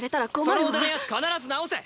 その腕のやつ必ず治せ！